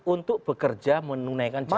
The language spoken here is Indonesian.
untuk bekerja menunaikan jangkauan